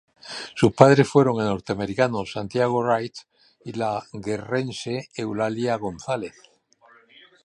Sus padres fueron el norteamericano Santiago Wright y la guerrerense Eulalia González.